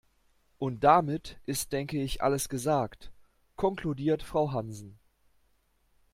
"Und damit ist denke ich alles gesagt", konkludiert Frau Hansen.